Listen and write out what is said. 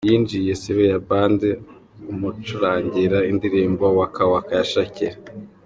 Yinjiye Sebeya Band imucurangira indirimbo Waka Waka ya Shakira.